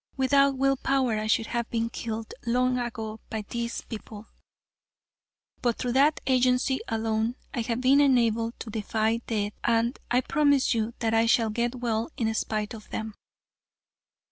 Without will power I should have been killed long ago by these people, but through that agency alone I have been enabled to defy death and I promise you that I shall get well in spite of them."